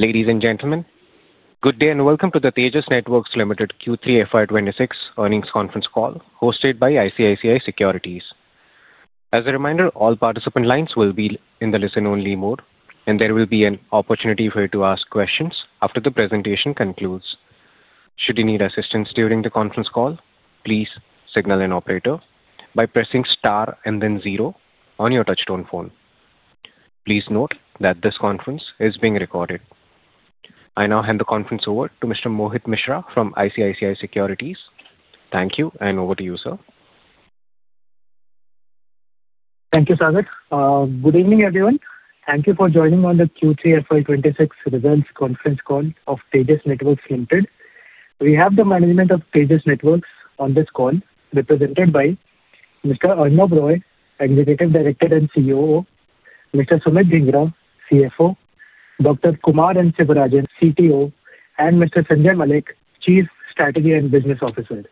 Ladies and gentlemen, good day and welcome to the Tejas Networks Limited Q3 FY 2026 earnings conference call hosted by ICICI Securities. As a reminder, all participant lines will be in the listen-only mode, and there will be an opportunity for you to ask questions after the presentation concludes. Should you need assistance during the conference call, please signal an operator by pressing star and then zero on your touch-tone phone. Please note that this conference is being recorded. I now hand the conference over to Mr. Mohit Mishra from ICICI Securities. Thank you, and over to you, sir. Thank you, Sagar. Good evening, everyone. Thank you for joining on the Q3 FY 2026 advanced conference call of Tejas Networks Limited. We have the management of Tejas Networks on this call, represented by Mr. Arnob Roy, Executive Director and COO, Mr. Sumit Dhingra, CFO, Dr. Kumar N. Sivarajan, CTO, and Mr. Sanjay Malik, Chief Strategy and Business Officer.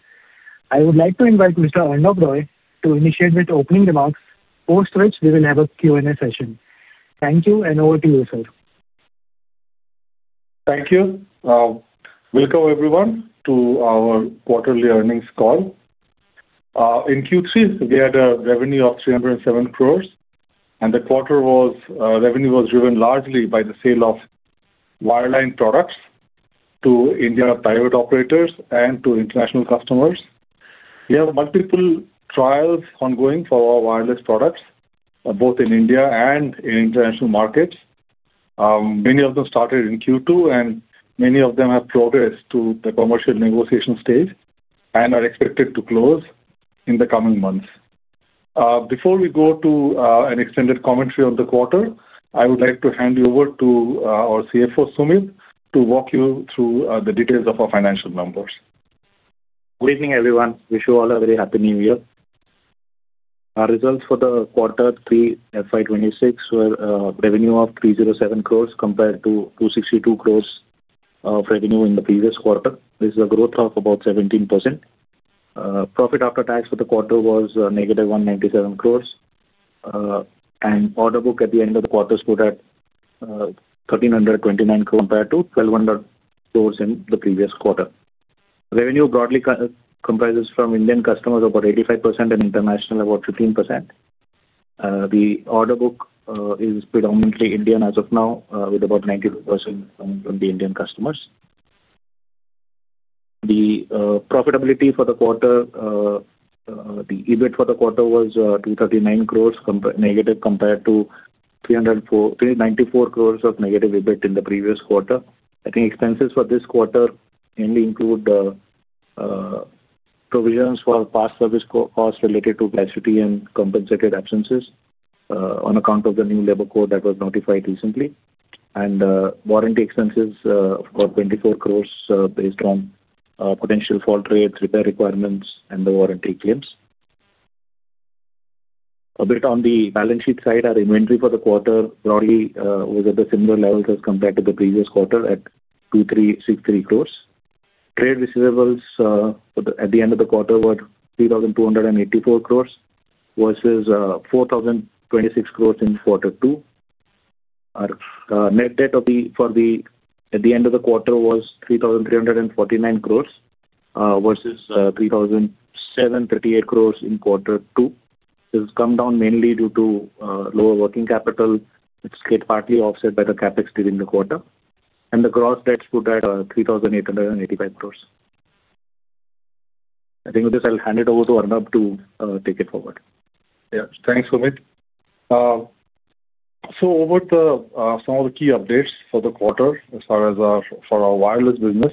I would like to invite Mr. Arnob Roy to initiate with opening remarks, post which we will have a Q&A session. Thank you, and over to you, sir. Thank you. Welcome, everyone, to our quarterly earnings call. In Q3, we had a revenue of 307 crores, and the quarter's revenue was driven largely by the sale of wireline products to Indian private operators and to international customers. We have multiple trials ongoing for our wireless products, both in India and in international markets. Many of them started in Q2, and many of them have progressed to the commercial negotiation stage and are expected to close in the coming months. Before we go to an extended commentary on the quarter, I would like to hand you over to our CFO, Sumit, to walk you through the details of our financial numbers. Good evening, everyone. Wish you all a very Happy New Year. Our results for the quarter three FY 2026 were revenue of 307 crores compared to 262 crores of revenue in the previous quarter. This is a growth of about 17%. Profit after tax for the quarter was negative 197 crores, and order book at the end of the quarter stood at 1,329 crores compared to 1,200 crores in the previous quarter. Revenue broadly comprises from Indian customers about 85% and international about 15%. The order book is predominantly Indian as of now, with about 90% from the Indian customers. The profitability for the quarter, the EBIT for the quarter was 239 crores negative compared to 394 crores of negative EBIT in the previous quarter. I think expenses for this quarter mainly include provisions for past service costs related to capacity and compensated absences on account of the new labor code that was notified recently, and warranty expenses of about 24 crores based on potential fault rates, repair requirements, and the warranty claims. A bit on the balance sheet side, our inventory for the quarter broadly was at the similar levels as compared to the previous quarter at 2,363 crores. Trade receivables at the end of the quarter were 3,284 crores versus 4,026 crores in quarter two. Our net debt for the end of the quarter was 3,349 crores versus 3,738 crores in quarter two. This has come down mainly due to lower working capital, which gets partly offset by the CapEx during the quarter, and the gross debt stood at 3,885 crores. I think with this, I'll hand it over to Arnob to take it forward. Yes, thanks, Sumit, so over to some of the key updates for the quarter as far as for our wireless business.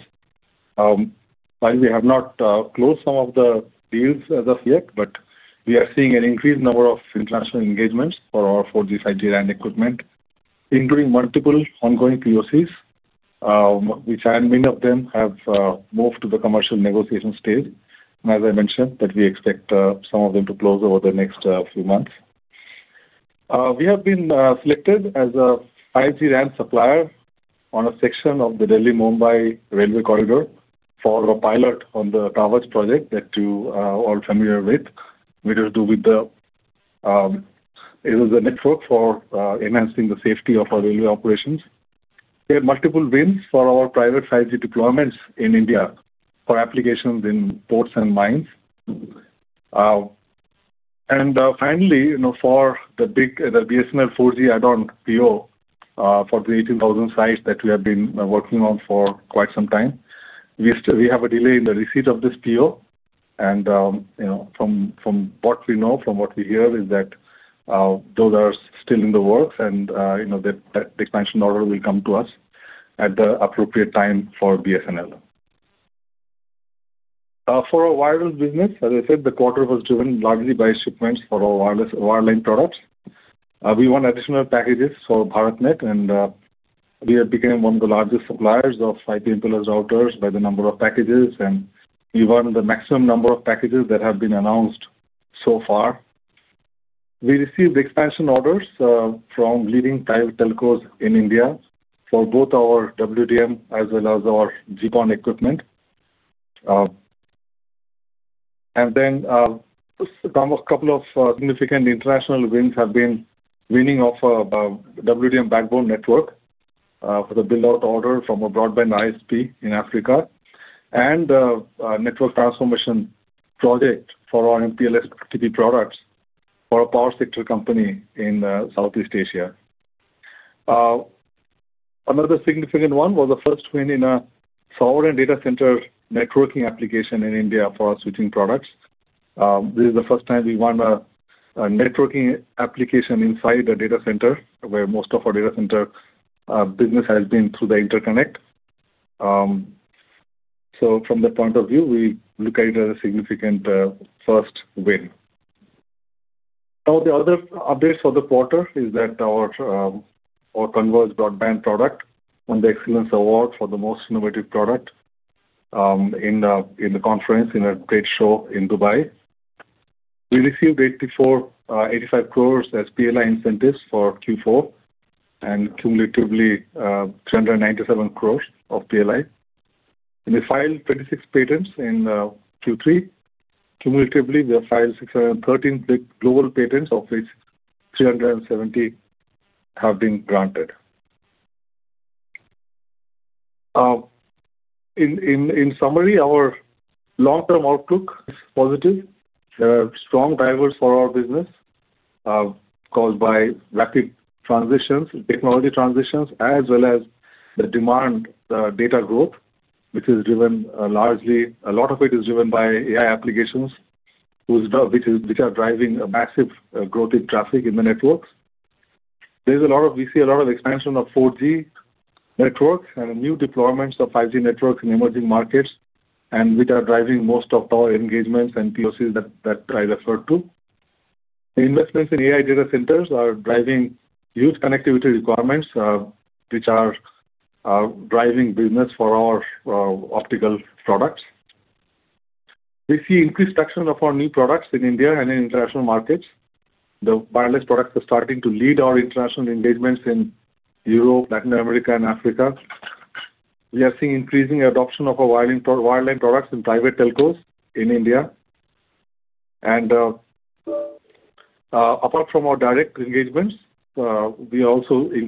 While we have not closed some of the deals as of yet, but we are seeing an increased number of international engagements for our 4G, 5G, and equipment, including multiple ongoing POCs, which many of them have moved to the commercial negotiation stage, and as I mentioned, we expect some of them to close over the next few months. We have been selected as a 5G RAN supplier on a section of the Delhi-Mumbai railway corridor for a pilot on the Kavach project that you are all familiar with, which has to do with the network for enhancing the safety of our railway operations. We have multiple wins for our private 5G deployments in India for applications in ports and mines. And finally, for the BSNL 4G add-on PO for the 18,000 sites that we have been working on for quite some time, we have a delay in the receipt of this PO. And from what we know, from what we hear, is that those are still in the works, and the expansion order will come to us at the appropriate time for BSNL. For our wireless business, as I said, the quarter was driven largely by shipments for our wireless wireline products. We won additional packages for BharatNet, and we have become one of the largest suppliers of IP/MPLS routers by the number of packages, and we won the maximum number of packages that have been announced so far. We received expansion orders from leading telcos in India for both our WDM as well as our GPON equipment. And then a couple of significant international wins have been winning of WDM backbone network for the build-out order from a broadband ISP in Africa and a network transformation project for our IP/MPLS products for a power sector company in Southeast Asia. Another significant one was a first win in a solar and data center networking application in India for our switching products. This is the first time we won a networking application inside a data center where most of our data center business has been through the interconnect. So from the point of view, we look at it as a significant first win. Now, the other updates for the quarter is that our Converged broadband product won the excellence award for the most innovative product in the conference in a trade show in Dubai. We received 85 crores as PLI incentives for Q4 and cumulatively 397 crores of PLI. We filed 26 patents in Q3. Cumulatively, we have filed 613 global patents, of which 370 have been granted. In summary, our long-term outlook is positive. There are strong drivers for our business caused by rapid transitions, technology transitions, as well as the demand data growth, which is driven largely. A lot of it is driven by AI applications, which are driving a massive growth in traffic in the networks. We see a lot of expansion of 4G networks and new deployments of 5G networks in emerging markets, which are driving most of our engagements and POCs that I referred to. Investments in AI data centers are driving huge connectivity requirements, which are driving business for our optical products. We see increased action of our new products in India and in international markets. The wireless products are starting to lead our international engagements in Europe, Latin America, and Africa. We are seeing increasing adoption of our wireline products in private telcos in India. And apart from our direct engagements, we are also seeing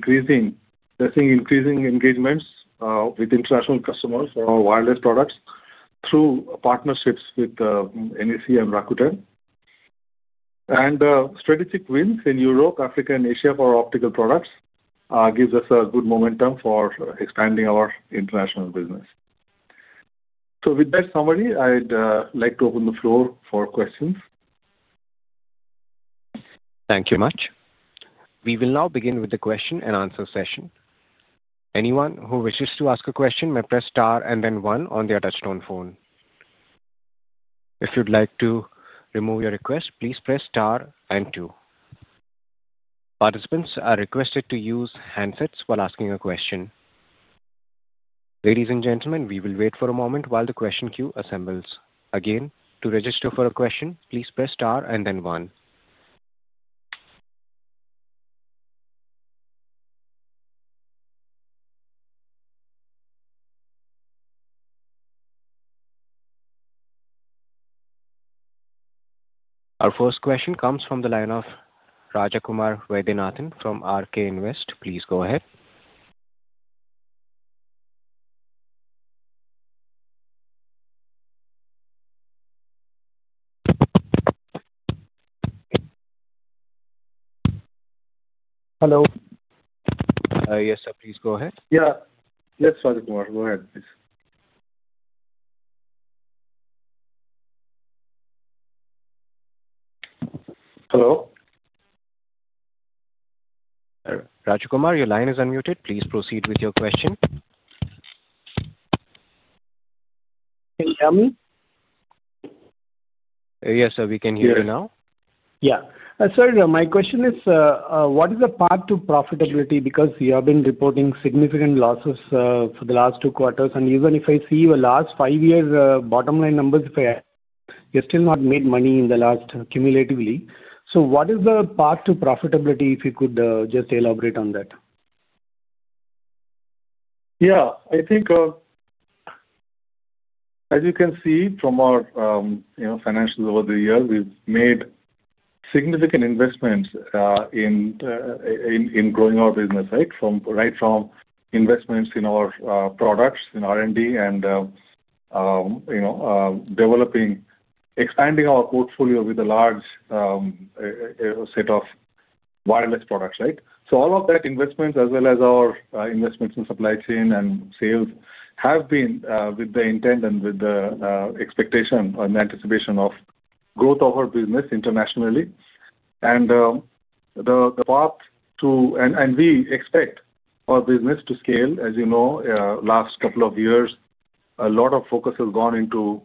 increasing engagements with international customers for our wireless products through partnerships with NEC and Rakuten. And strategic wins in Europe, Africa, and Asia for our optical products give us a good momentum for expanding our international business. So with that summary, I'd like to open the floor for questions. Thank you much. We will now begin with the question and answer session. Anyone who wishes to ask a question may press star and then one on their touch-tone phone. If you'd like to remove your request, please press star and two. Participants are requested to use handsets while asking a question. Ladies and gentlemen, we will wait for a moment while the question queue assembles. Again, to register for a question, please press star and then one. Our first question comes from the line of Rajakumar Vaidyanathan from RK Invest. Please go ahead. Hello? Yes, sir. Please go ahead. Yeah. Yes, Rajakumar, go ahead, please. Hello? Rajakumar, your line is unmuted. Please proceed with your question. Can you hear me? Yes, sir. We can hear you now. Yeah. Yeah. Sorry, my question is, what is the path to profitability? Because you have been reporting significant losses for the last two quarters. And even if I see your last five years' bottom-line numbers, you still have not made money in the last cumulatively. So what is the path to profitability, if you could just elaborate on that? Yeah. I think, as you can see from our financials over the years, we've made significant investments in growing our business, right, from investments in our products, in R&D, and developing, expanding our portfolio with a large set of wireless products, right? So all of that investments, as well as our investments in supply chain and sales, have been with the intent and with the expectation and anticipation of growth of our business internationally. And the path to - and we expect our business to scale. As you know, last couple of years, a lot of focus has gone into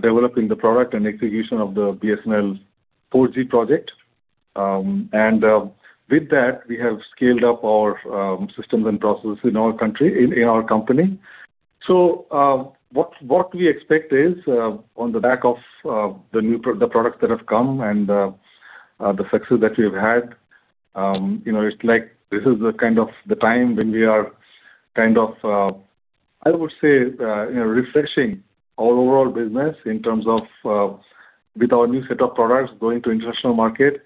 developing the product and execution of the BSNL 4G project. And with that, we have scaled up our systems and processes in our country, in our company. So what we expect is, on the back of the products that have come and the success that we've had, it's like this is the kind of the time when we are kind of, I would say, refreshing our overall business in terms of with our new set of products going to international market.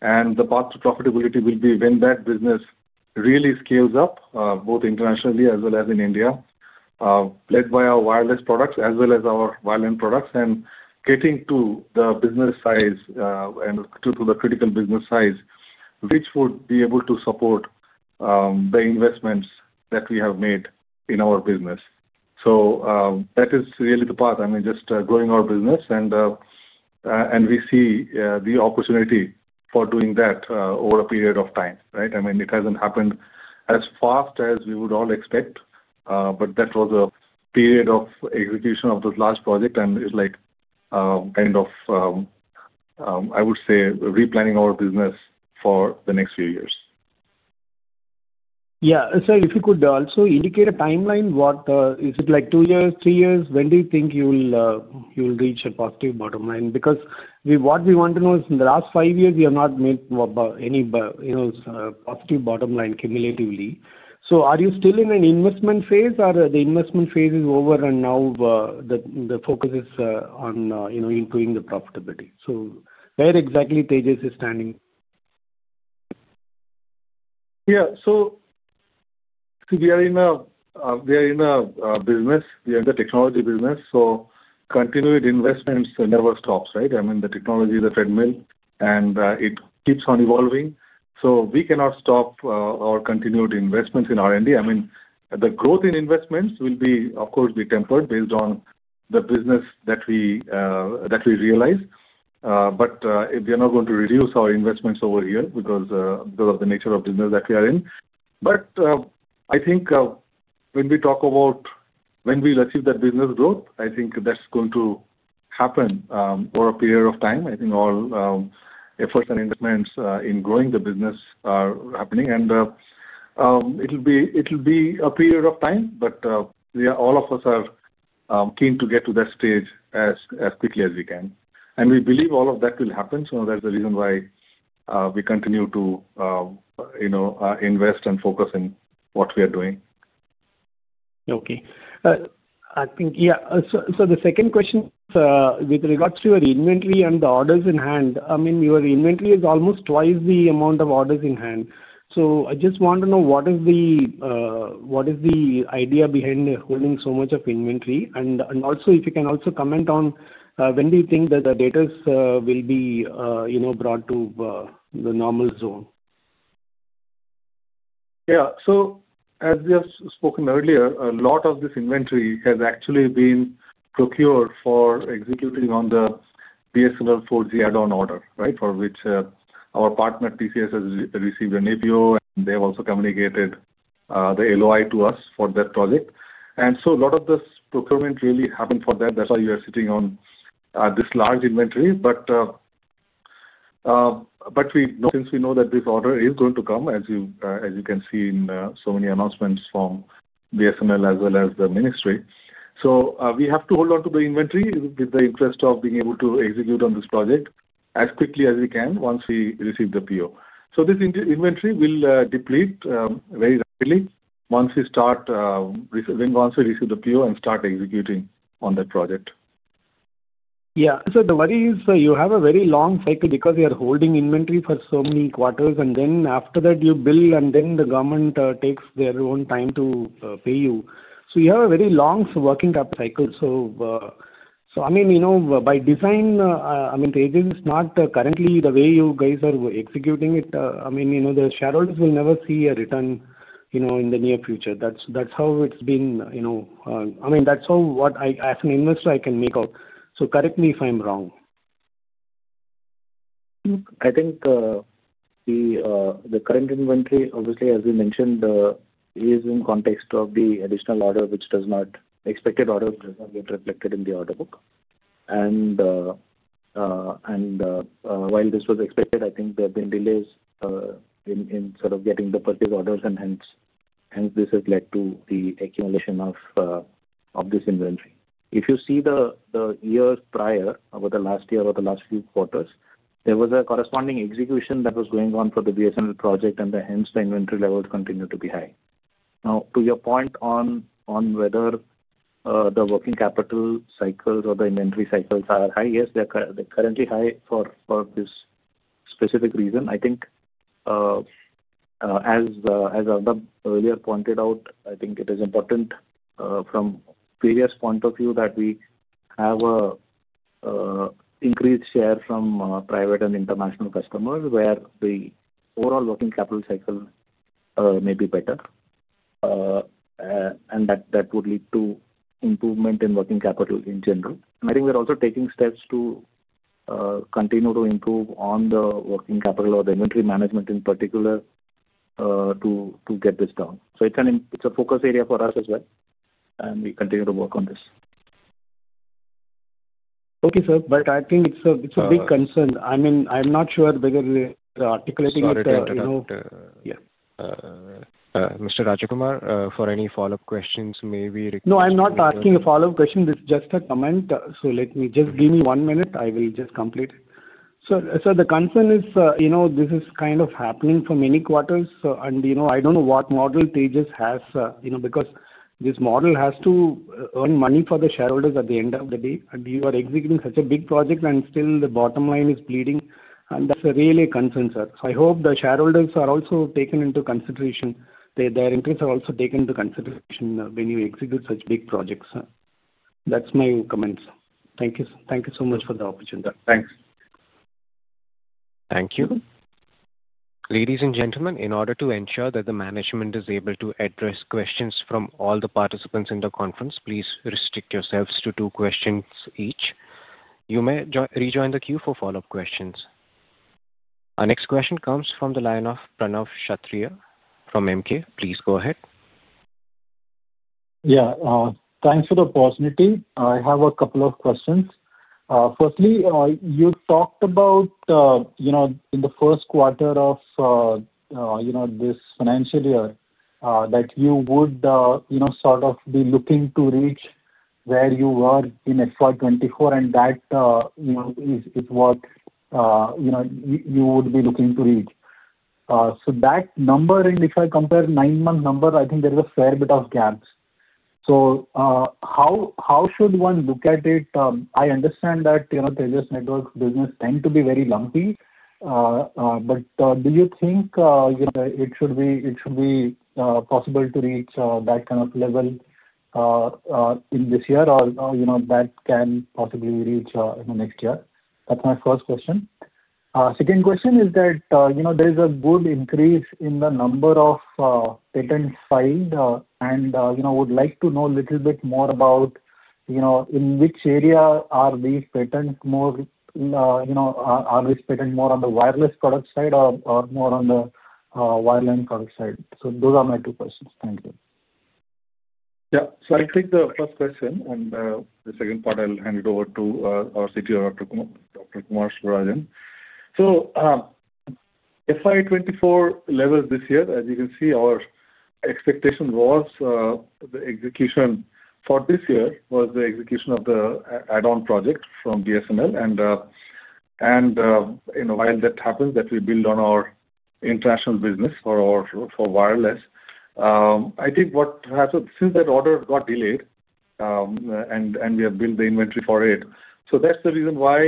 And the path to profitability will be when that business really scales up, both internationally as well as in India, led by our wireless products as well as our wireline products, and getting to the business size and to the critical business size, which would be able to support the investments that we have made in our business. So that is really the path. I mean, just growing our business, and we see the opportunity for doing that over a period of time, right? I mean, it hasn't happened as fast as we would all expect, but that was a period of execution of those large projects, and it's like kind of, I would say, replanning our business for the next few years. Yeah. So if you could also indicate a timeline, what is it like two years, three years? When do you think you'll reach a positive bottom line? Because what we want to know is, in the last five years, we have not made any positive bottom line cumulatively. So are you still in an investment phase, or the investment phase is over, and now the focus is on improving the profitability? So where exactly Tejas is standing? Yeah. So we are in a business. We are in the technology business. So continued investments never stops, right? I mean, the technology is a treadmill, and it keeps on evolving. So we cannot stop our continued investments in R&D. I mean, the growth in investments will be, of course, tempered based on the business that we realize. But we are not going to reduce our investments over here because of the nature of business that we are in. But I think when we talk about when we'll achieve that business growth, I think that's going to happen over a period of time. I think all efforts and investments in growing the business are happening. And it'll be a period of time, but all of us are keen to get to that stage as quickly as we can. And we believe all of that will happen. That's the reason why we continue to invest and focus in what we are doing. Okay. I think, yeah. So the second question with regards to your inventory and the orders in hand, I mean, your inventory is almost twice the amount of orders in hand. So I just want to know what is the idea behind holding so much of inventory? And also, if you can also comment on when do you think that the data will be brought to the normal zone? Yeah. So as we have spoken earlier, a lot of this inventory has actually been procured for executing on the BSNL 4G add-on order, right, for which our partner, TCS, has received an APO, and they have also communicated the LOI to us for that project. And so a lot of this procurement really happened for that. That's why we are sitting on this large inventory. But since we know that this order is going to come, as you can see in so many announcements from BSNL as well as the ministry, so we have to hold on to the inventory with the interest of being able to execute on this project as quickly as we can once we receive the PO. So this inventory will deplete very rapidly once we start, once we receive the PO and start executing on that project. Yeah. So the worry is you have a very long cycle because you are holding inventory for so many quarters, and then after that, you build, and then the government takes their own time to pay you. So you have a very long working capital cycle. So I mean, by design, I mean, Tejas, it's not currently the way you guys are executing it. I mean, the shareholders will never see a return in the near future. That's how it's been. I mean, that's how, as an investor, I can make out. So correct me if I'm wrong. I think the current inventory, obviously, as we mentioned, is in context of the additional order. The expected order does not get reflected in the order book. While this was expected, I think there have been delays in sort of getting the purchase orders, and hence this has led to the accumulation of this inventory. If you see the years prior, over the last year or the last few quarters, there was a corresponding execution that was going on for the BSNL project, and hence the inventory levels continue to be high. Now, to your point on whether the working capital cycles or the inventory cycles are high, yes, they're currently high for this specific reason. I think, as we have earlier pointed out, I think it is important from Tejas' point of view that we have an increased share from private and international customers where the overall working capital cycle may be better, and that would lead to improvement in working capital in general, and I think we're also taking steps to continue to improve on the working capital or the inventory management in particular to get this down, so it's a focus area for us as well, and we continue to work on this. Okay, sir. But I think it's a big concern. I mean, I'm not sure whether articulating it. Mr. Rajakumar, for any follow-up questions, may we request? No, I'm not asking a follow-up question. This is just a comment. So just give me one minute. I will just complete. So the concern is this is kind of happening for many quarters. And I don't know what model Tejas has because this model has to earn money for the shareholders at the end of the day. And you are executing such a big project, and still the bottom line is bleeding. And that's really a concern, sir. So I hope the shareholders are also taken into consideration. Their interests are also taken into consideration when you execute such big projects. That's my comments. Thank you. Thank you so much for the opportunity. Thanks. Thank you. Ladies and gentlemen, in order to ensure that the management is able to address questions from all the participants in the conference, please restrict yourselves to two questions each. You may rejoin the queue for follow-up questions. Our next question comes from the line of Pranav Kshatriya from Emkay. Please go ahead. Yeah. Thanks for the opportunity. I have a couple of questions. Firstly, you talked about in the first quarter of this financial year that you would sort of be looking to reach where you were in FY 2024, and that is what you would be looking to reach. So that number, and if I compare nine-month number, I think there's a fair bit of gaps. So how should one look at it? I understand that Tejas Networks' business tends to be very lumpy, but do you think it should be possible to reach that kind of level in this year, or that can possibly reach next year? That's my first question. Second question is that there is a good increase in the number of patents filed, and I would like to know a little bit more about in which area are these patents more? Are these patents more on the wireless product side or more on the wireline product side? So those are my two questions. Thank you. Yeah. So I'll take the first question, and the second part, I'll hand it over to our CTO, Dr. Kumar Sivarajan. So FY 2024 level this year, as you can see, our expectation was the execution for this year was the execution of the add-on project from BSNL. And while that happens, that we build on our international business for wireless, I think what has happened since that order got delayed, and we have built the inventory for it. So that's the reason why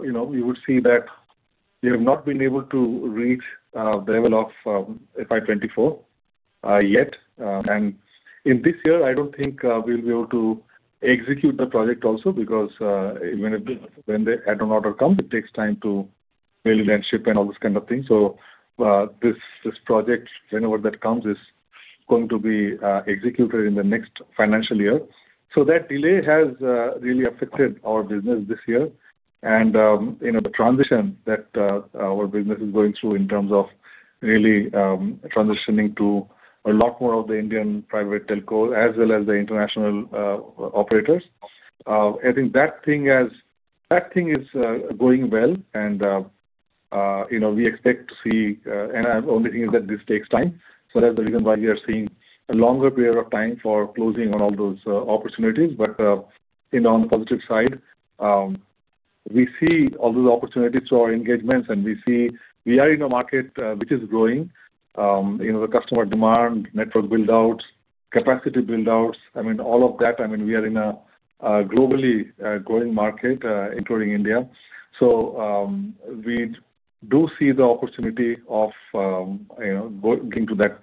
we would see that we have not been able to reach the level of FY 2024 yet. And in this year, I don't think we'll be able to execute the project also because when the add-on order comes, it takes time to make it and ship and all this kind of thing. So this project, whenever that comes, is going to be executed in the next financial year. So that delay has really affected our business this year. And the transition that our business is going through in terms of really transitioning to a lot more of the Indian private telcos as well as the international operators, I think that thing is going well. And we expect to see, and the only thing is that this takes time. So that's the reason why we are seeing a longer period of time for closing on all those opportunities. But on the positive side, we see all those opportunities to our engagements, and we see we are in a market which is growing. The customer demand, network buildouts, capacity buildouts, I mean, all of that, I mean, we are in a globally growing market, including India. So we do see the opportunity of going to that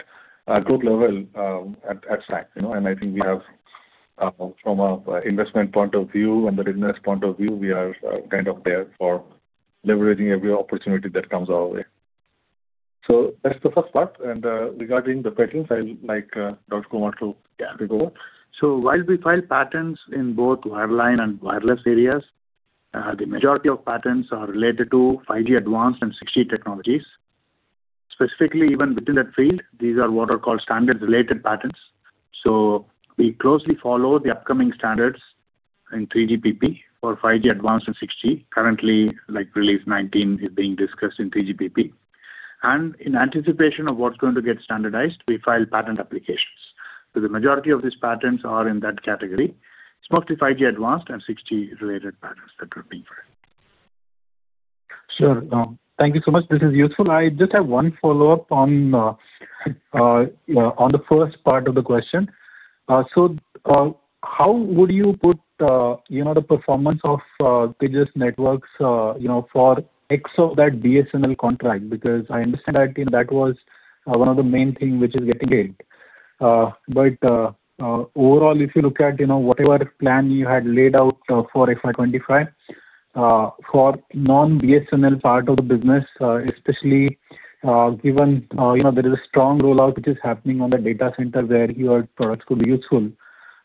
growth level at SAC. And I think we have, from an investment point of view and the business point of view, we are kind of there for leveraging every opportunity that comes our way. So that's the first part. And regarding the patents, I would like Dr. Kumar to take over. So while we file patents in both wireline and wireless areas, the majority of patents are related to 5G Advanced and 6G technologies. Specifically, even within that field, these are what are called standard-related patents. So we closely follow the upcoming standards in 3GPP for 5G Advanced and 6G. Currently, Release 19 is being discussed in 3GPP. And in anticipation of what's going to get standardized, we file patent applications. So the majority of these patents are in that category. It's mostly 5G Advanced and 6G-related patents that we're looking for. Sure. Thank you so much. This is useful. I just have one follow-up on the first part of the question. So how would you put the performance of Tejas Networks for execution of that BSNL contract? Because I understand that that was one of the main things which is getting paid. But overall, if you look at whatever plan you had laid out for FY 2025, for non-BSNL part of the business, especially given there is a strong rollout which is happening on the data center where your products could be useful,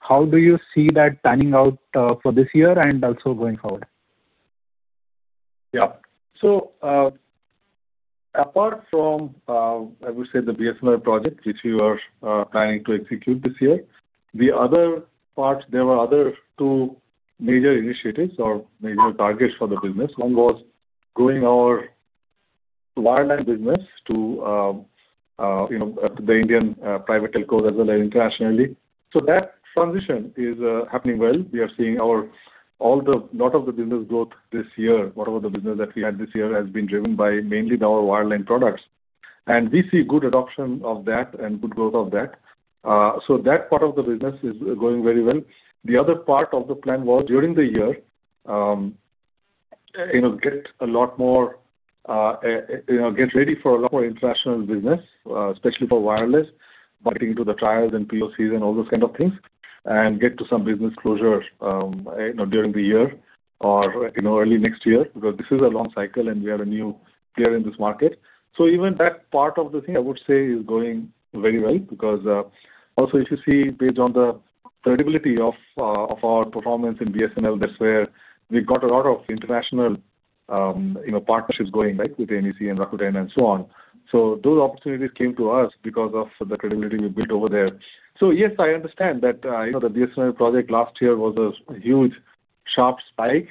how do you see that panning out for this year and also going forward? Yeah. So apart from, I would say, the BSNL project which we were planning to execute this year, the other part, there were other two major initiatives or major targets for the business. One was growing our wireline business to the Indian private telcos as well as internationally. So that transition is happening well. We are seeing a lot of the business growth this year. Part of the business that we had this year has been driven by mainly our wireline products. And we see good adoption of that and good growth of that. So that part of the business is going very well. The other part of the plan was during the year to get a lot more, get ready for a lot more international business, especially for wireless, but into the trials and POCs and all those kind of things, and get to some business closure during the year or early next year because this is a long cycle, and we are a new player in this market. So even that part of the thing, I would say, is going very well because also, if you see, based on the credibility of our performance in BSNL, that's where we got a lot of international partnerships going, right, with NEC and Rakuten and so on. So those opportunities came to us because of the credibility we built over there. So yes, I understand that the BSNL project last year was a huge sharp spike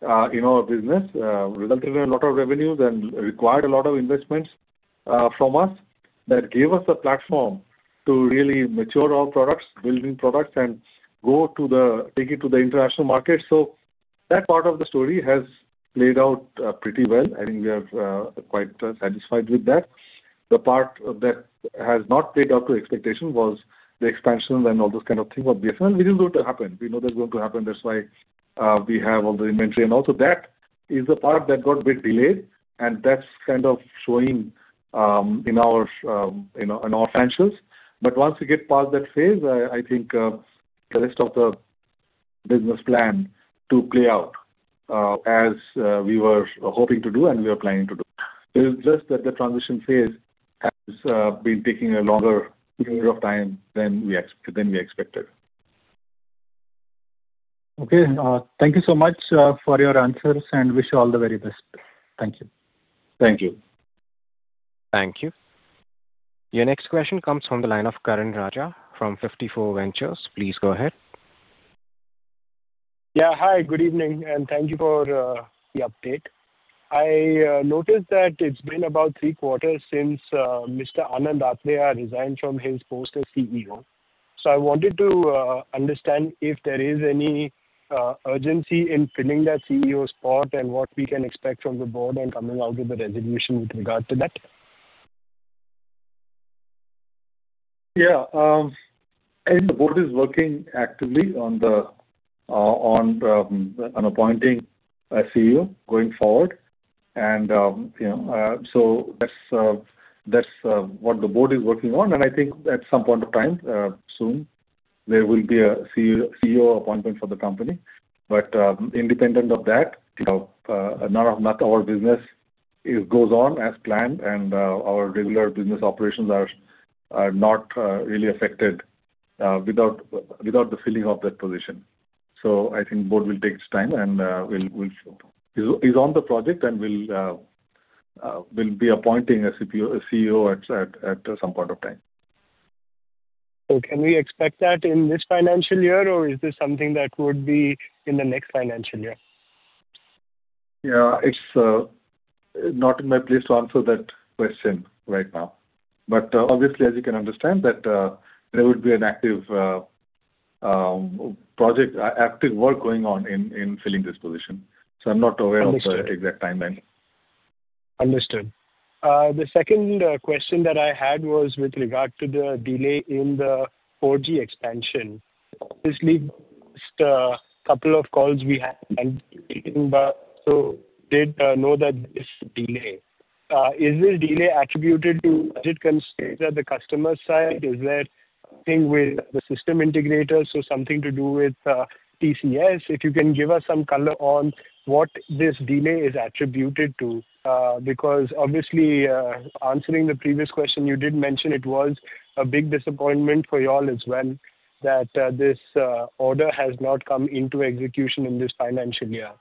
in our business, resulted in a lot of revenues, and required a lot of investments from us that gave us a platform to really mature our products, building products, and take it to the international market. So that part of the story has played out pretty well. I think we are quite satisfied with that. The part that has not played up to expectation was the expansion and all those kind of things of BSNL. We knew it would happen. We knew that it was going to happen. That's why we have all the inventory. And also, that is the part that got a bit delayed, and that's kind of showing in our financials. But once we get past that phase, I think the rest of the business plan to play out as we were hoping to do and we were planning to do. It's just that the transition phase has been taking a longer period of time than we expected. Okay. Thank you so much for your answers and wish you all the very best. Thank you. Thank you. Thank you. Your next question comes from the line of Karan Raja from 54 Ventures. Please go ahead. Yeah. Hi. Good evening. And thank you for the update. I noticed that it's been about three quarters since Mr. Anand Athreya resigned from his post as CEO. So I wanted to understand if there is any urgency in filling that CEO spot and what we can expect from the board and coming out with the resolution with regard to that. Yeah. I think the board is working actively on appointing a CEO going forward. And so that's what the board is working on. And I think at some point of time, soon, there will be a CEO appointment for the company. But independent of that, none of our business goes on as planned, and our regular business operations are not really affected without the filling of that position. So I think the board will take its time, and he's on the project, and we'll be appointing a CEO at some point of time. So can we expect that in this financial year, or is this something that would be in the next financial year? Yeah. It's not in my place to answer that question right now. But obviously, as you can understand, that there would be an active project, active work going on in filling this position. So I'm not aware of the exact timeline. Understood. The second question that I had was with regard to the delay in the 4G expansion. This leaves a couple of calls we had. So I did know that this delay. Is this delay attributed to budget constraints at the customer side? Is there something with the system integrators? So something to do with TCS? If you can give us some color on what this delay is attributed to. Because obviously, answering the previous question, you did mention it was a big disappointment for you all as well that this order has not come into execution in this financial year.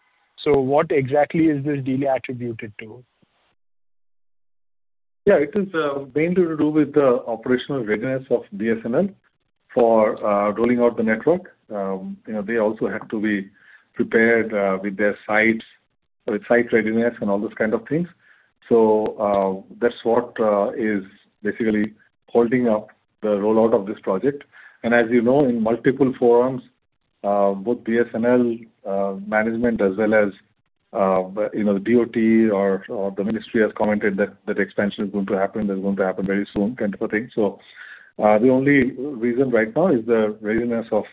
So what exactly is this delay attributed to? Yeah. It is mainly to do with the operational readiness of BSNL for rolling out the network. They also have to be prepared with their sites and all those kind of things. So that's what is basically holding up the rollout of this project. And as you know, in multiple forums, both BSNL management as well as the DoT or the ministry has commented that the expansion is going to happen. It's going to happen very soon, kind of a thing. So the only reason right now is the readiness of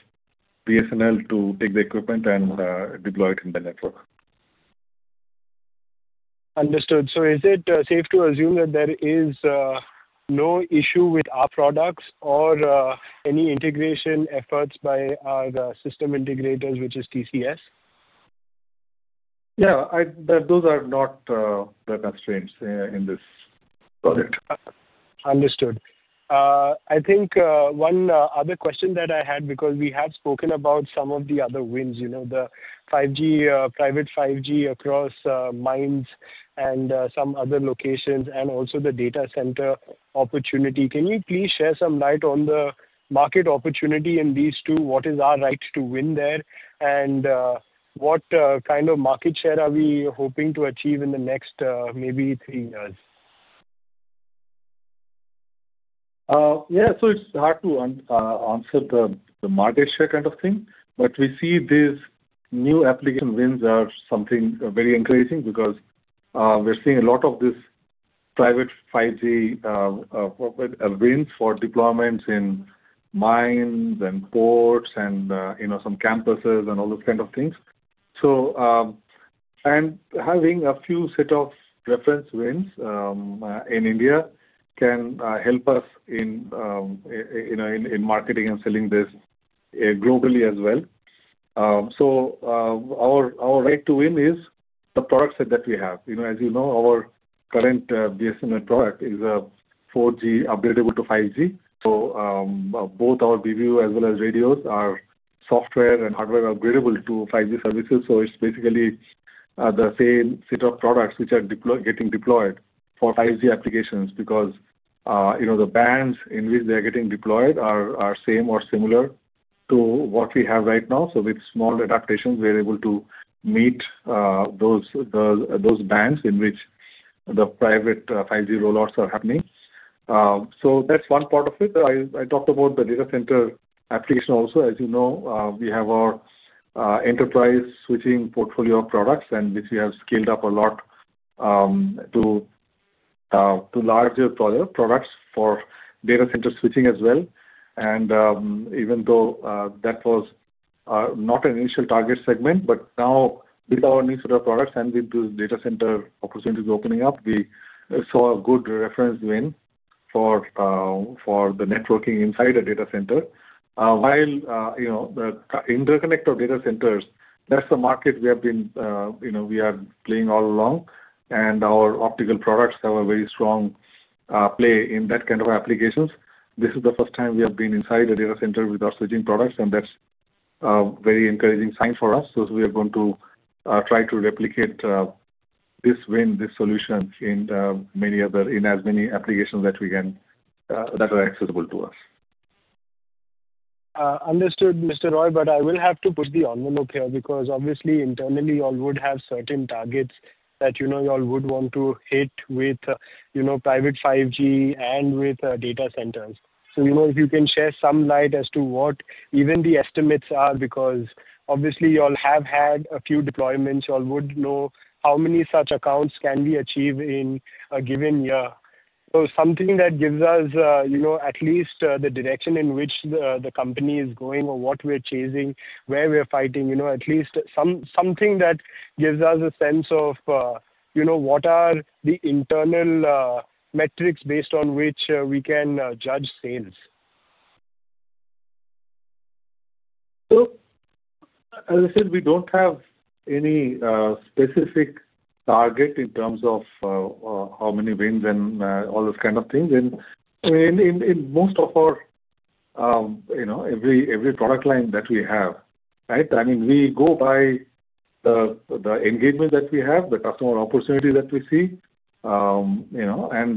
BSNL to take the equipment and deploy it in the network. Understood. So is it safe to assume that there is no issue with our products or any integration efforts by our system integrators, which is TCS? Yeah. Those are not the constraints in this project. Understood. I think one other question that I had because we have spoken about some of the other wins, the private 5G across mines and some other locations and also the data center opportunity. Can you please share some light on the market opportunity in these two? What is our right to win there? And what kind of market share are we hoping to achieve in the next maybe three years? Yeah. So it's hard to answer the market share kind of thing. But we see these new application wins are something very encouraging because we're seeing a lot of these private 5G wins for deployments in mines and ports and some campuses and all those kind of things. And having a few set of reference wins in India can help us in marketing and selling this globally as well. So our right to win is the products that we have. As you know, our current BSNL product is a 4G upgradable to 5G. So both our BBU as well as radios are software and hardware upgradable to 5G services. So it's basically the same set of products which are getting deployed for 5G applications because the bands in which they are getting deployed are same or similar to what we have right now. So with small adaptations, we are able to meet those bands in which the private 5G rollouts are happening. So that's one part of it. I talked about the data center application also. As you know, we have our enterprise switching portfolio of products, and we have scaled up a lot to larger products for data center switching as well. And even though that was not an initial target segment, but now with our new set of products and with those data center opportunities opening up, we saw a good reference win for the networking inside a data center. While the interconnect data centers, that's the market we are playing all along. And our optical products have a very strong play in that kind of applications. This is the first time we have been inside a data center with our switching products, and that's a very encouraging sign for us. So we are going to try to replicate this win, this solution in as many applications that are accessible to us. Understood, Mr. Roy, but I will have to push the envelope here because obviously, internally, you all would have certain targets that you all would want to hit with Private 5G and with data centers. So if you can shed some light as to what even the estimates are because obviously, you all have had a few deployments. You all would know how many such accounts can we achieve in a given year. So something that gives us at least the direction in which the company is going or what we're chasing, where we're fighting, at least something that gives us a sense of what are the internal metrics based on which we can judge sales. So as I said, we don't have any specific target in terms of how many wins and all those kind of things. And in most of our every product line that we have, right, I mean, we go by the engagement that we have, the customer opportunity that we see, and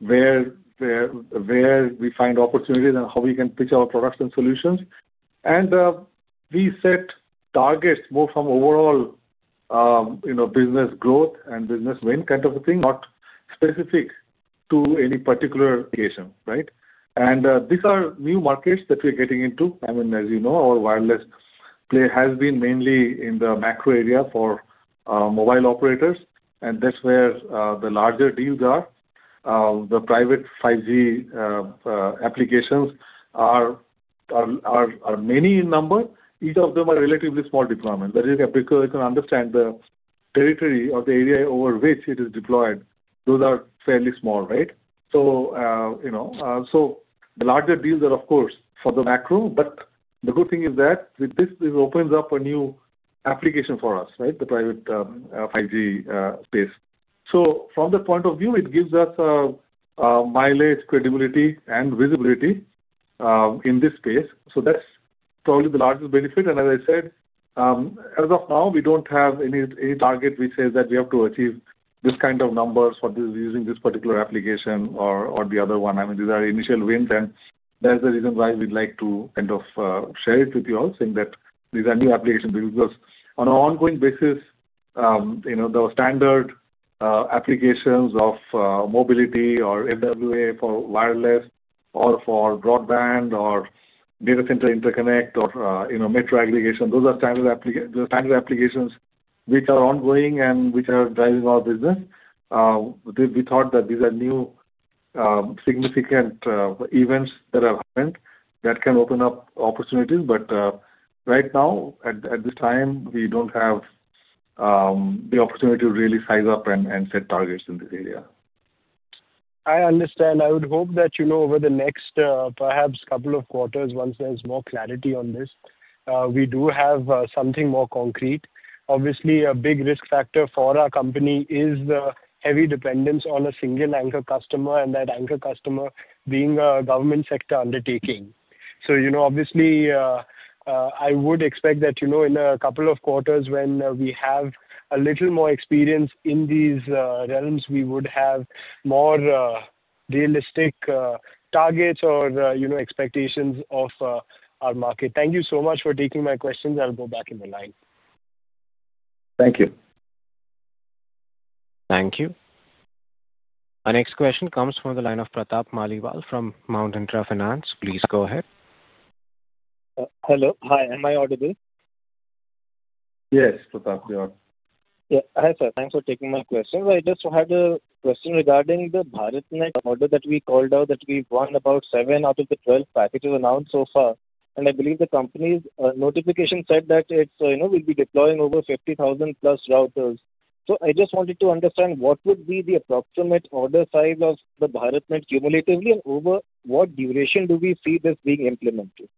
where we find opportunities and how we can pitch our products and solutions. And we set targets more from overall business growth and business win kind of a thing, not specific to any particular location, right? And these are new markets that we're getting into. I mean, as you know, our wireless play has been mainly in the macro area for mobile operators, and that's where the larger deals are. The private 5G applications are many in number. Each of them are relatively small deployments. But if you can understand the territory or the area over which it is deployed, those are fairly small, right? So the larger deals are, of course, for the macro. But the good thing is that this opens up a new application for us, right, the private 5G space. So from the point of view, it gives us mileage, credibility, and visibility in this space. So that's probably the largest benefit. And as I said, as of now, we don't have any target which says that we have to achieve this kind of numbers for using this particular application or the other one. I mean, these are initial wins. And that's the reason why we'd like to kind of share it with you all, saying that these are new applications because on an ongoing basis, the standard applications of mobility or FWA for wireless or for broadband or data center interconnect or metro aggregation, those are standard applications which are ongoing and which are driving our business. We thought that these are new significant events that are happening that can open up opportunities. But right now, at this time, we don't have the opportunity to really size up and set targets in this area. I understand. I would hope that over the next perhaps couple of quarters, once there's more clarity on this, we do have something more concrete. Obviously, a big risk factor for our company is the heavy dependence on a single anchor customer and that anchor customer being a government sector undertaking. So obviously, I would expect that in a couple of quarters, when we have a little more experience in these realms, we would have more realistic targets or expectations of our market. Thank you so much for taking my questions. I'll go back in the line. Thank you. Thank you. Our next question comes from the line of Pratap Maliwal from Mount Intra Finance. Please go ahead. Hello. Hi. Am I audible? Yes, Pratap, you are. Yeah. Hi, sir. Thanks for taking my question. I just had a question regarding the BharatNet order that we called out that we've won about seven out of the 12 packages announced so far. And I believe the company's notification said that it will be deploying over 50,000-plus routers. So I just wanted to understand what would be the approximate order size of the BharatNet cumulatively and over what duration do we see this being implemented?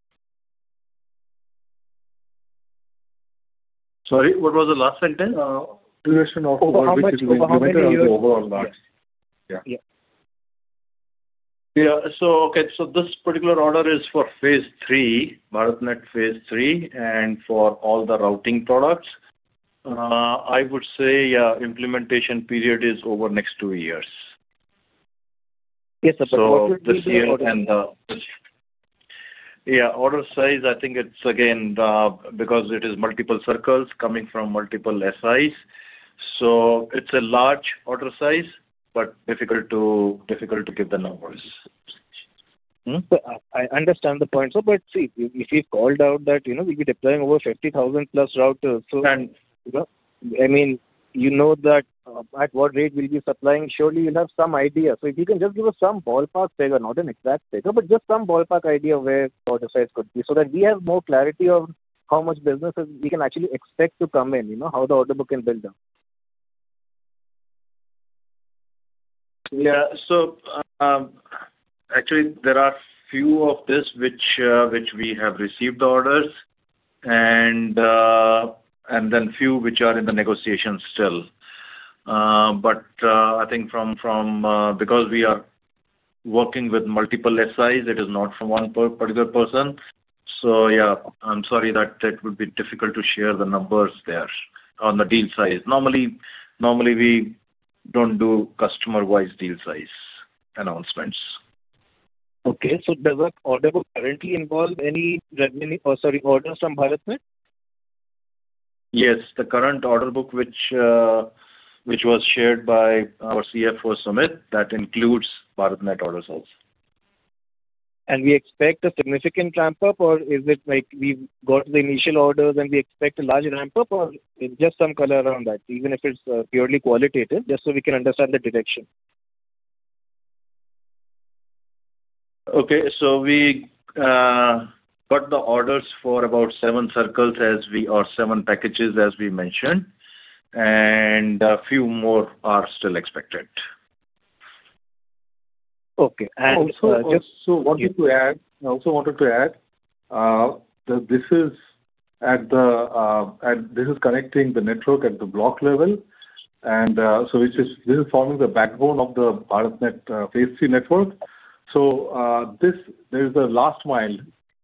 Sorry? What was the last sentence? Duration of the order is overall large. Yeah. Yeah. So, okay. So this particular order is for phase III, BharatNet Phase III, and for all the routing products. I would say implementation period is over next two years. Yes, sir. But what would be the order size? So this year and the order size, I think it's again because it is multiple circles coming from multiple SIs. So it's a large order size, but difficult to give the numbers. I understand the point, but see, if you've called out that we'll be deploying over 50,000 plus routers, I mean, you know that at what rate we'll be supplying. Surely, you'll have some idea, so if you can just give us some ballpark figure, not an exact figure, but just some ballpark idea where the order size could be so that we have more clarity of how much business we can actually expect to come in, how the order book can build up. Yeah. So actually, there are a few of these which we have received orders and then a few which are in the negotiations still. But I think because we are working with multiple SIs, it is not from one particular person. So yeah, I'm sorry that it would be difficult to share the numbers there on the deal size. Normally, we don't do customer-wise deal size announcements. Okay. So does that order book currently involve any RAN or sorry, orders from BharatNet? Yes. The current order book which was shared by our CFO Sumit, that includes BharatNet orders also. We expect a significant ramp-up, or is it like we've got the initial orders and we expect a large ramp-up, or just some color around that, even if it's purely qualitative, just so we can understand the direction? Okay. So we got the orders for about seven circles or seven packages, as we mentioned, and a few more are still expected. Okay. And also. I also wanted to add that this is connecting the network at the block level, and so this is forming the backbone of the BharatNet Phase III network, so there is the last mile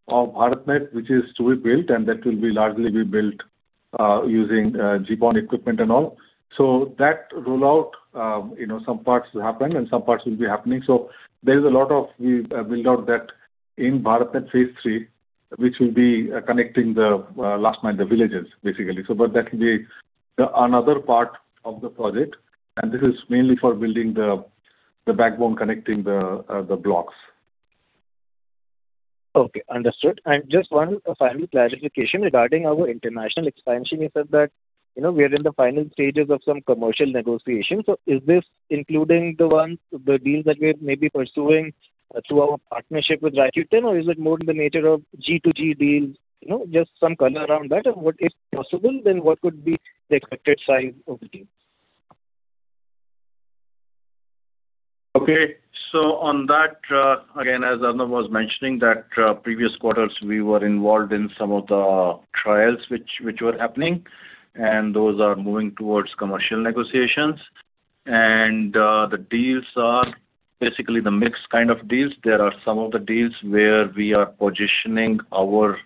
of BharatNet which is to be built, and that will largely be built using GPON equipment and all, so that rollout, some parts will happen and some parts will be happening, so there is a lot of build-out in BharatNet Phase III, which will be connecting the last mile, the villages, basically, but that will be another part of the project, and this is mainly for building the backbone, connecting the blocks. Okay. Understood. And just one final clarification regarding our international expansion. You said that we are in the final stages of some commercial negotiations. So is this including the deals that we're maybe pursuing through our partnership with Rakuten, or is it more in the nature of G2G deals, just some color around that? And if possible, then what would be the expected size of the deal? Okay. So on that, again, as Arnob was mentioning, that previous quarters, we were involved in some of the trials which were happening, and those are moving towards commercial negotiations. And the deals are basically the mix kind of deals. There are some of the deals where we are positioning our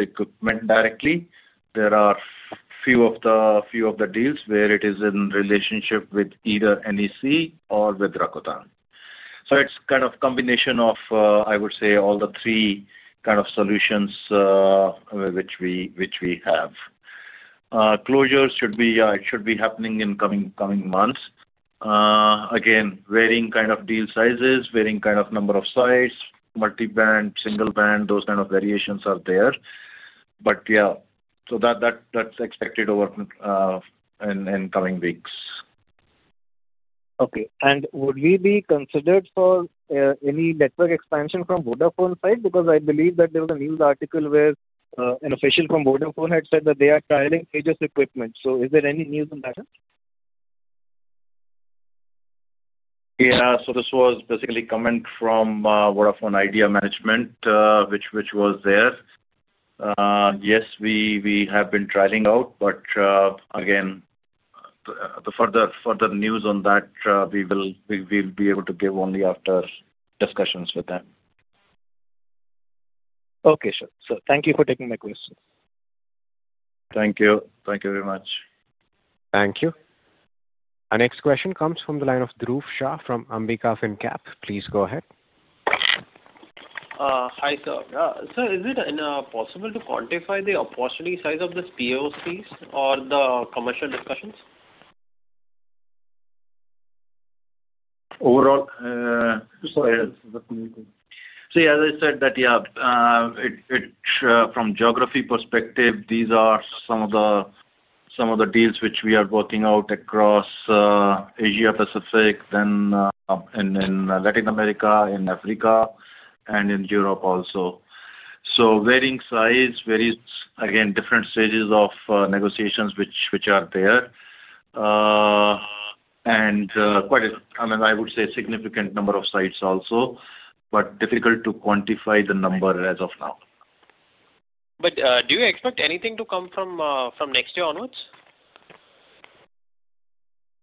equipment directly. There are a few of the deals where it is in relationship with either NEC or with Rakuten. So it's kind of a combination of, I would say, all the three kind of solutions which we have. Closure should be happening in coming months. Again, varying kind of deal sizes, varying kind of number of sites, multi-band, single-band, those kind of variations are there. But yeah, so that's expected over in coming weeks. Okay, and would we be considered for any network expansion from Vodafone side? Because I believe that there was a news article where an official from Vodafone had said that they are trialing Tejas equipment, so is there any news on that? Yeah. So this was basically a comment from Vodafone Idea Management, which was there. Yes, we have been trialing out. But again, the further news on that, we will be able to give only after discussions with them. Okay, sir, so thank you for taking my questions. Thank you. Thank you very much. Thank you. Our next question comes from the line of Dhruv Shah from Ambika Fincap. Please go ahead. Hi, sir. Sir, is it possible to quantify the opportunity size of the POCs or the commercial discussions? Overall. Sorry, this is a commentary. So yeah, as I said, that yeah, from geography perspective, these are some of the deals which we are working out across Asia-Pacific, then in Latin America, in Africa, and in Europe also. So varying size, various, again, different stages of negotiations which are there. And I mean, I would say a significant number of sites also, but difficult to quantify the number as of now. But do you expect anything to come from next year onwards?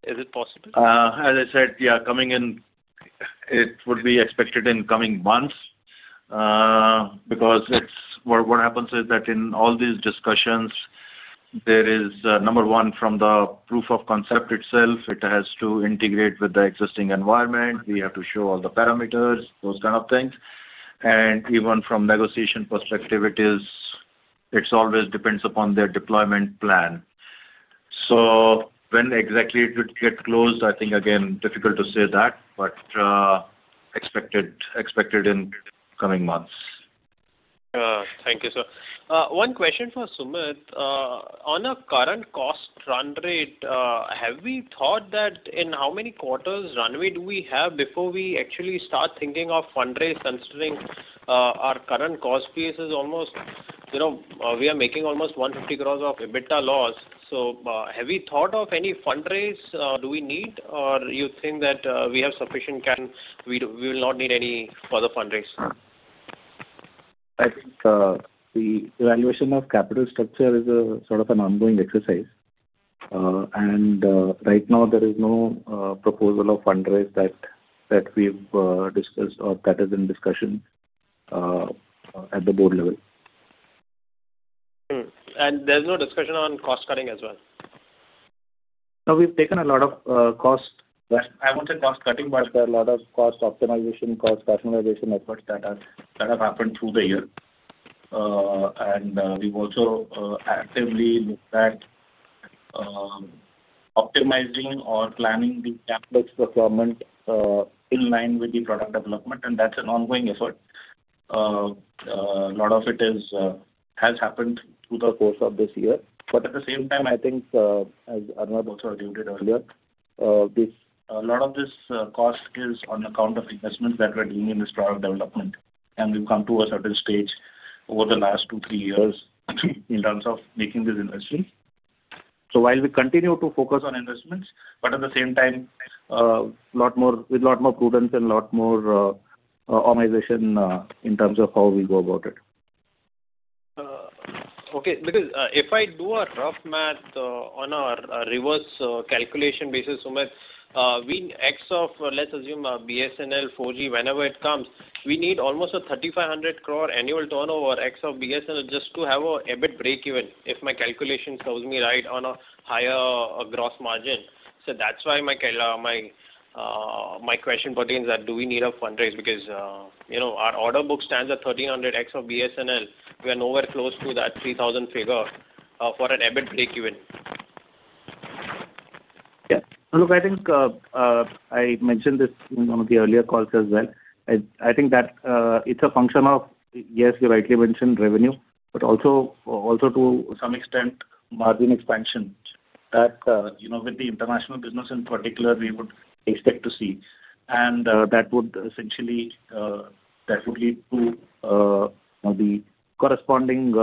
Is it possible? As I said, yeah, coming in, it would be expected in coming months because what happens is that in all these discussions, there is number one, from the proof of concept itself, it has to integrate with the existing environment. We have to show all the parameters, those kind of things. And even from negotiation perspective, it always depends upon their deployment plan. So when exactly it would get closed, I think, again, difficult to say that, but expected in coming months. Thank you, sir. One question for Sumit. On a current cost run rate, have we thought that in how many quarters runway do we have before we actually start thinking of fundraise, considering our current cost basis? We are making almost 150 crores of EBITDA loss. So have we thought of any fundraise? Do we need, or do you think that we have sufficient? And we will not need any further fundraise? I think the evaluation of capital structure is sort of an ongoing exercise. And right now, there is no proposal of fundraise that we've discussed or that is in discussion at the board level. There's no discussion on cost cutting as well? No, we've taken a lot of cost. I won't say cost cutting, but. There's a lot of cost optimization, cost rationalization efforts that have happened through the year. And we've also actively looked at optimizing or planning the capital's performance in line with the product development. And that's an ongoing effort. A lot of it has happened through the course of this year. But at the same time, I think, as Arnob also alluded earlier, a lot of this cost is on account of investments that we're doing in this product development. And we've come to a certain stage over the last two, three years in terms of making these investments. So while we continue to focus on investments, but at the same time, with a lot more prudence and a lot more organization in terms of how we go about it. Okay. Because if I do a rough math on a reverse calculation basis, Sumit, from, let's assume, BSNL, 4G, whenever it comes, we need almost 3,500 crore annual turnover from BSNL just to have an EBIT breakeven if my calculation tells me right on a higher gross margin. So that's why my question pertains that do we need a fundraise because our order book stands at 1,300 crore from BSNL. We are nowhere close to that 3,000 crore figure for an EBIT breakeven. Yeah. And look, I think I mentioned this in one of the earlier calls as well. I think that it's a function of, yes, you rightly mentioned revenue, but also to some extent, margin expansion that with the international business in particular, we would expect to see. And that would essentially lead to the corresponding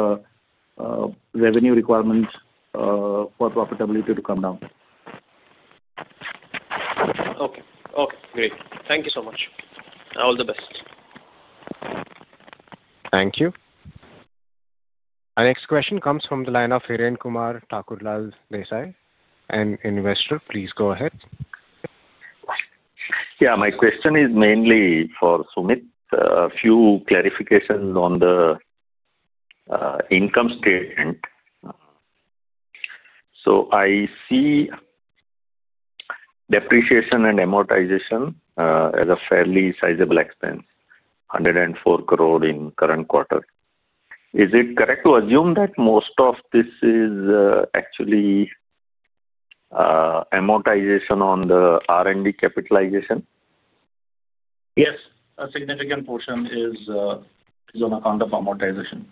revenue requirements for profitability to come down. Okay. Okay. Great. Thank you so much. All the best. Thank you. Our next question comes from the line of Hiran Kumar Thakurlal Desai, an investor. Please go ahead. Yeah. My question is mainly for Sumit. A few clarifications on the income statement. So I see depreciation and amortization as a fairly sizable expense, 104 crore in current quarter. Is it correct to assume that most of this is actually amortization on the R&D capitalization? Yes. A significant portion is on account of amortization.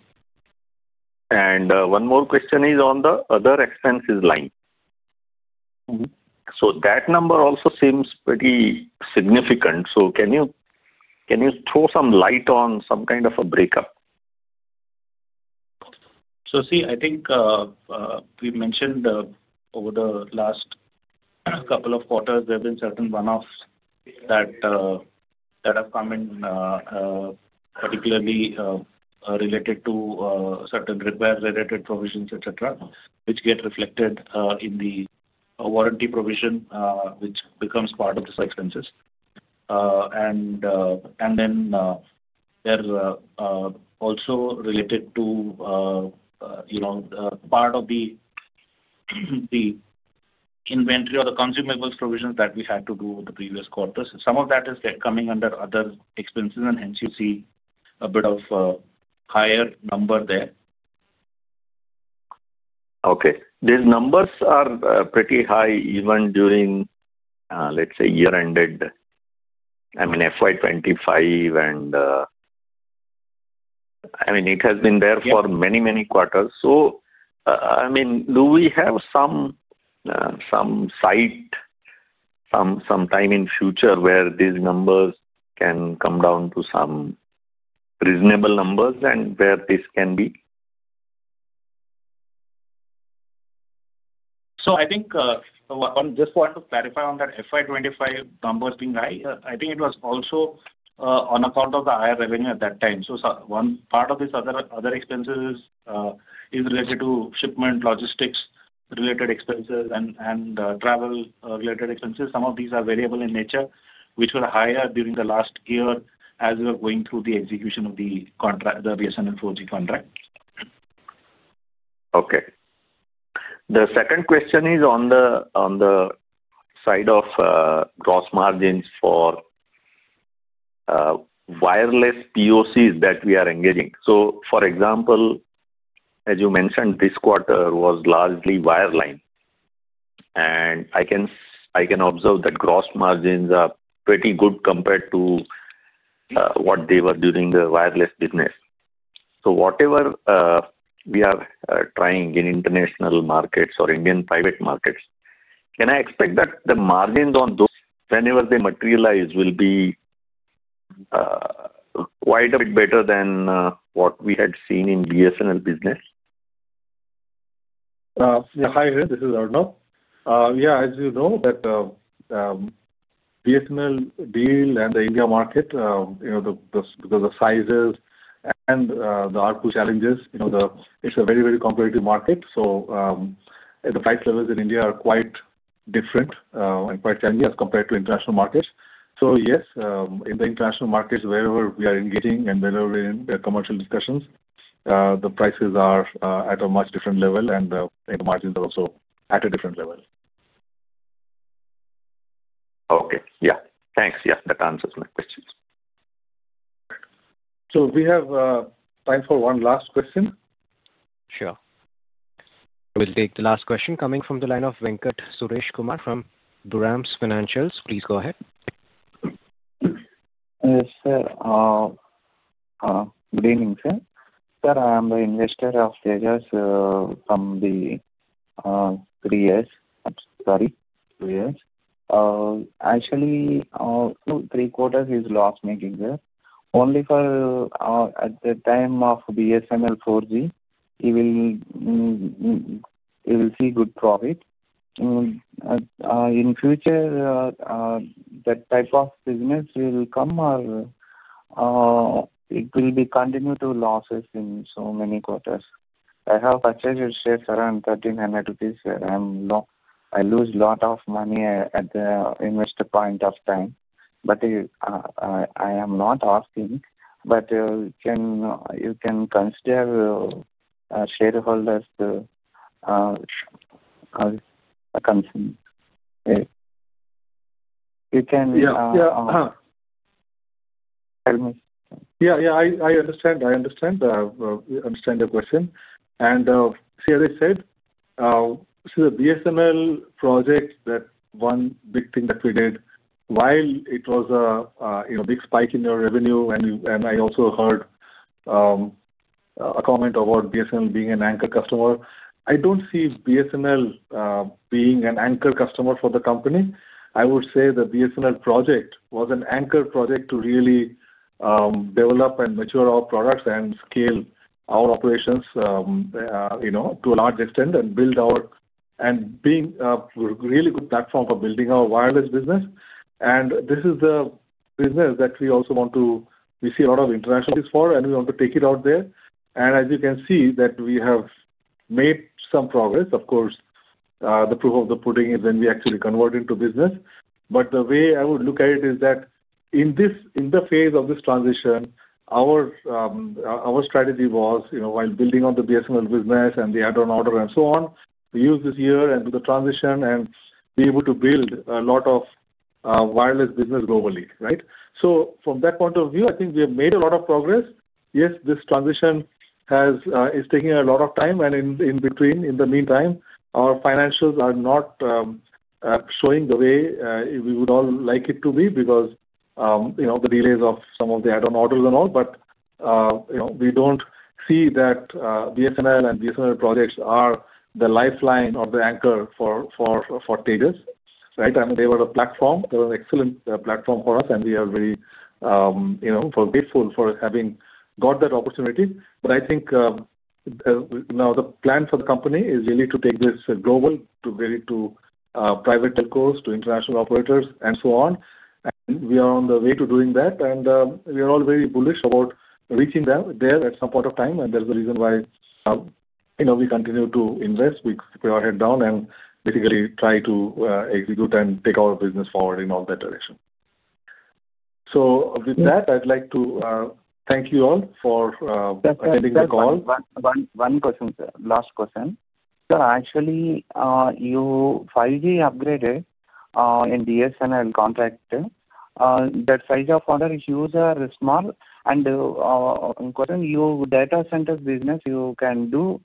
One more question is on the other expenses line. So that number also seems pretty significant. So can you throw some light on some kind of a breakup? So see, I think we mentioned over the last couple of quarters, there have been certain run-offs that have come in, particularly related to certain required related provisions, etc., which get reflected in the warranty provision, which becomes part of the expenses. And then there are also related to part of the inventory or the consumables provisions that we had to do the previous quarters. Some of that is coming under other expenses, and hence you see a bit of a higher number there. Okay. These numbers are pretty high even during, let's say, year-end, I mean, FY 2025. I mean, it has been there for many, many quarters. So I mean, do we have some time in future where these numbers can come down to some reasonable numbers and where this can be? So I think I just want to clarify on that FY 2025 numbers being high. I think it was also on account of the higher revenue at that time. So one part of these other expenses is related to shipment, logistics-related expenses, and travel-related expenses. Some of these are variable in nature, which were higher during the last year as we were going through the execution of the BSNL 4G contract. Okay. The second question is on the side of gross margins for wireless POCs that we are engaging. So for example, as you mentioned, this quarter was largely wireline. And I can observe that gross margins are pretty good compared to what they were during the wireless business. So whatever we are trying in international markets or Indian private markets, can I expect that the margins on those, whenever they materialize, will be quite a bit better than what we had seen in BSNL business? Yeah. Hi, this is Arnob. Yeah, as you know, that BSNL deal and the India market, because of the sizes and the output challenges, it's a very, very competitive market. So the price levels in India are quite different and quite challenging as compared to international markets. So yes, in the international markets, wherever we are engaging and wherever we are in commercial discussions, the prices are at a much different level, and the margins are also at a different level. Okay. Yeah. Thanks. Yeah, that answers my question. So we have time for one last question. Sure. We'll take the last question coming from the line of Venkat Suresh Kumar from Durams Financials. Please go ahead. Yes, sir. Good evening, sir. Sir, I am the investor of Tejas from the three years. Sorry, three years. Actually, three quarters is loss-making there. Only for at the time of BSNL 4G, you will see good profit. In future, that type of business will come or it will be continued to losses in so many quarters. I have purchased shares around 1,300 rupees, sir. I lose a lot of money at the investor point of time. But I am not asking, but you can consider shareholders to console. You can help me. Yeah. Yeah. I understand. I understand the question. And see, as I said, so the BSNL project, that one big thing that we did, while it was a big spike in your revenue, and I also heard a comment about BSNL being an anchor customer. I don't see BSNL being an anchor customer for the company. I would say the BSNL project was an anchor project to really develop and mature our products and scale our operations to a large extent and being a really good platform for building our wireless business. And this is the business that we also want to, we see a lot of international opportunities for, and we want to take it out there. And as you can see, we have made some progress. Of course, the proof of the pudding is when we actually convert into business. But the way I would look at it is that in the phase of this transition, our strategy was, while building on the BSNL business and the add-on order and so on, we use this year and do the transition and be able to build a lot of wireless business globally, right? So from that point of view, I think we have made a lot of progress. Yes, this transition is taking a lot of time. And in between, in the meantime, our financials are not showing the way we would all like it to be because of the delays of some of the add-on orders and all. But we don't see that BSNL and BSNL projects are the lifeline or the anchor for Tejas, right? I mean, they were a platform. They were an excellent platform for us, and we are very grateful for having got that opportunity. But I think now the plan for the company is really to take this global to private telcos, to international operators, and so on. And we are on the way to doing that. And we are all very bullish about reaching there at some point of time. And that's the reason why we continue to invest. We put our head down and basically try to execute and take our business forward in all that direction. So with that, I'd like to thank you all for attending the call. One question, sir. Last question. Sir, actually, your 5G upgrades in BSNL contract. That size of order is small. And question, your data center business, you can do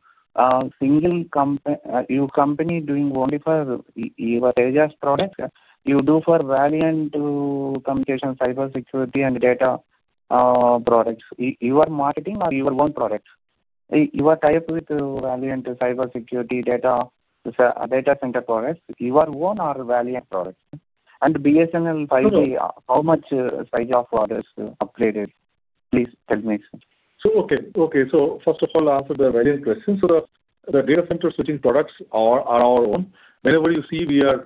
single company doing only for your Tejas products. You do for Valiant Communications, cybersecurity, and data products. You are marketing or you are one product? You are tied up with Valiant cybersecurity data center products. You are one or Valiant product? And BSNL 5G, how much size of orders upgraded? Please tell me, sir. So okay. Okay. So first of all, answer the Valiant question. So the data center switching products are our own. Whenever you see we are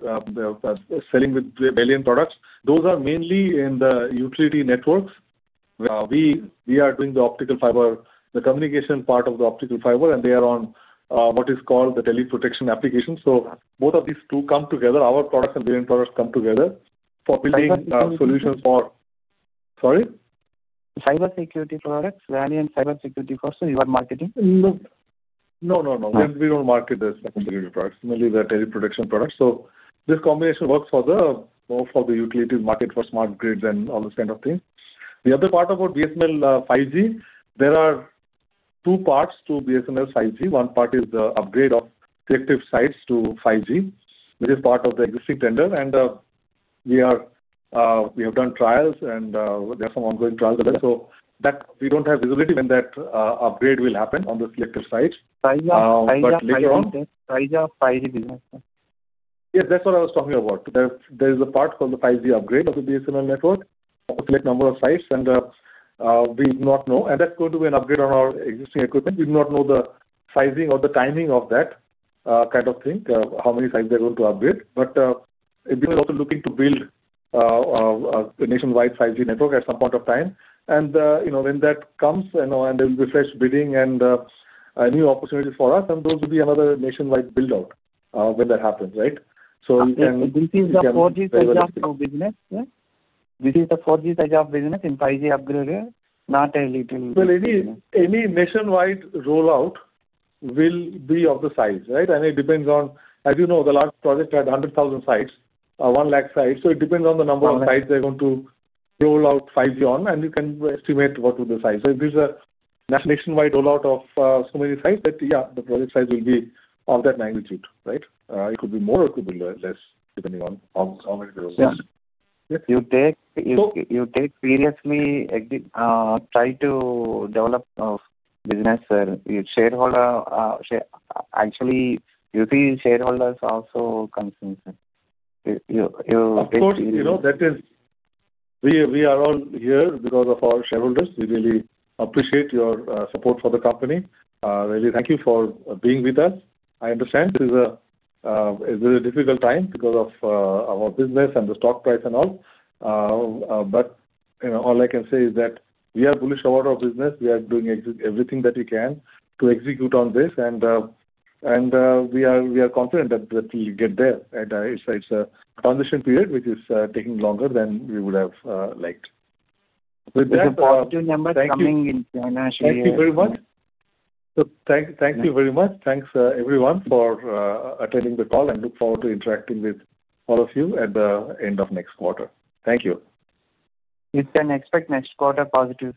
selling with Valiant products, those are mainly in the utility networks. We are doing the optical fiber, the communication part of the optical fiber, and they are on what is called the Teleprotection application. So both of these two come together. Our products and Valiant products come together for building solutions for sorry? Cybersecurity products, Valiant cybersecurity products, or you are marketing? No, no, no. We don't market the cybersecurity products. Mainly the Teleprotection products. So this combination works for the utility market for smart grids and all those kind of things. The other part about BSNL 5G, there are two parts to BSNL 5G. One part is the upgrade of selective sites to 5G, which is part of the existing tender, and we have done trials, and there are some ongoing trials there. So we don't have visibility when that upgrade will happen on the selective sites. Tejas 5G business? Yes, that's what I was talking about. There is a part called the 5G upgrade of the BSNL network. A select number of sites, and we do not know, and that's going to be an upgrade on our existing equipment. We do not know the sizing or the timing of that kind of thing, how many sites they're going to upgrade, but we're also looking to build a nationwide 5G network at some point of time and when that comes, and there will be fresh bidding and new opportunities for us, and those will be another nationwide build-out when that happens, right, so you can. This is the 4G Tejas business, sir? This is the 4G Tejas business in 5G upgrade, not a little? Any nationwide rollout will be of the size, right? It depends on, as you know, the large project had 100,000 sites, 1,000,000 sites. It depends on the number of sites they're going to roll out 5G on, and you can estimate what will be the size. If there's a nationwide rollout of so many sites, that, yeah, the project size will be of that magnitude, right? It could be more or it could be less, depending on how many of those. Yes. You take seriously try to develop business, sir. Actually, you see shareholders also concerned, sir. You take seriously. Of course. We are all here because of our shareholders. We really appreciate your support for the company. Really, thank you for being with us. I understand this is a difficult time because of our business and the stock price and all. But all I can say is that we are bullish about our business. We are doing everything that we can to execute on this. And we are confident that we'll get there. And it's a transition period, which is taking longer than we would have liked. Thank you so much for coming in financially. Thank you very much. So thank you very much. Thanks, everyone, for attending the call, and look forward to interacting with all of you at the end of next quarter. Thank you. You can expect next quarter positive.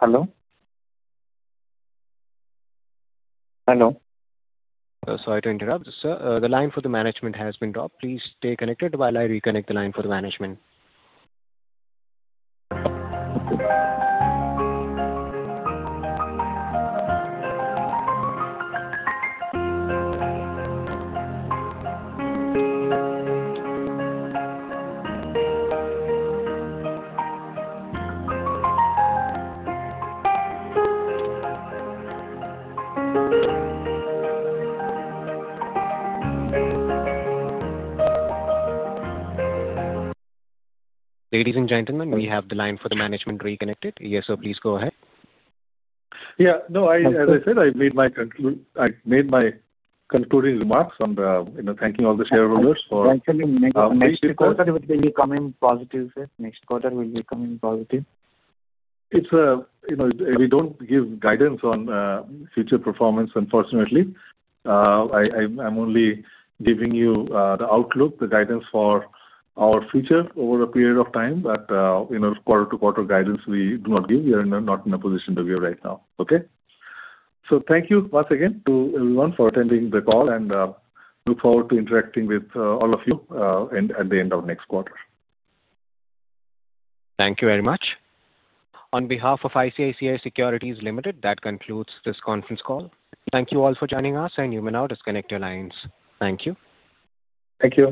Hello? Hello? Sorry to interrupt. Sir, the line for the management has been dropped. Please stay connected while I reconnect the line for the management. Ladies and gentlemen, we have the line for the management reconnected. Yes, sir, please go ahead. Yeah. No, as I said, I've made my concluding remarks on thanking all the shareholders for. Next quarter, will they become positive, sir? We don't give guidance on future performance, unfortunately. I'm only giving you the outlook, the guidance for our future over a period of time. But quarter-to-quarter guidance, we do not give. We are not in a position to give right now, okay? So thank you once again to everyone for attending the call, and look forward to interacting with all of you at the end of next quarter. Thank you very much. On behalf of ICICI Securities Limited, that concludes this conference call. Thank you all for joining us, and you may now disconnect your lines. Thank you. Thank you.